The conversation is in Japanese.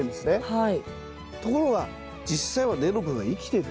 はい。